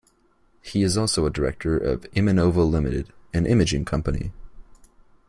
He is also a Director of Imanova Limited, an imaging company.